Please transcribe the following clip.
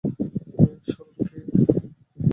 তুমি আসলে কে?